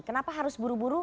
kenapa harus buru buru